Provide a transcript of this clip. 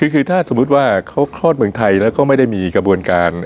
คือถ้าสมมุติว่าเขาคลอดเมืองไทยแล้วก็ไม่ได้มีกระบวนการ